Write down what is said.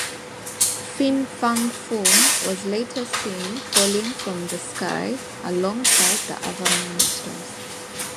Fin Fang Foom was later seen falling from the sky alongside the other monsters.